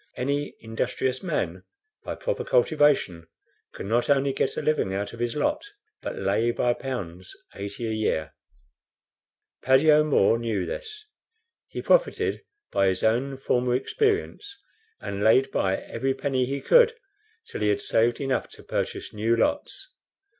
Any industrious man, by proper cultivation, can not only get a living out of his lot, but lay by pounds 80 a year. Paddy O'Moore knew this. He profited by his own former experience, and laid by every penny he could till he had saved enough to purchase new lots.